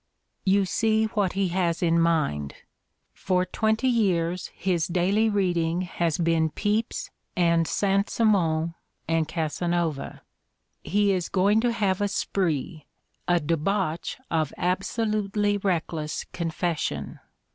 You see what he has in mind. For twenty years his Mustered Out 253 daily reading has been Pepys and Saint Simon and Casanova. He is going to have a spree, a debauch of absolutely reckless confession.